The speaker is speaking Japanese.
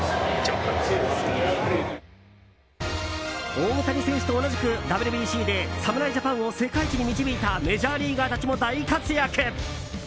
大谷選手と同じくＷＢＣで侍ジャパンを世界一に導いたメジャーリーガーたちも大活躍！